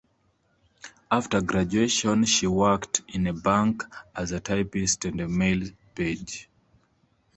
After graduation, she worked in a bank as a typist and a mail page.